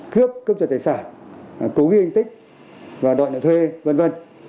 cướp cướp trợ tài sản cố ghi hình tích đoạn nợ thuê v v